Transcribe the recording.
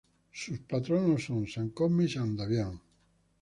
Sus patronos son San Cosme y San Damián.